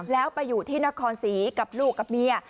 แล้วไปอยู่ที่นครศรีกับลูกกับเมีย